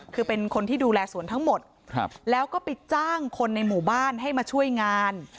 คือเป็นคนที่ดูแลสวนทั้งหมดแล้วก็ไปจ้างคนในหมู่บ้านให้มาช่วยงาน